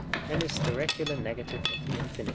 and is the regular negative of the Infin.